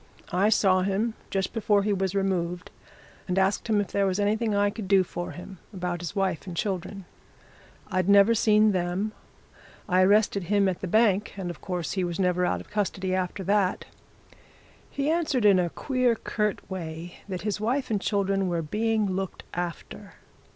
I saw him just before he was removed and asked him if there was anything I could do for him about his wife and children. I'd never seen them I arrested him at the bank, and, of course, he was never out of custody after that. He answered in a queer, curt way that his wife and children were being looked after.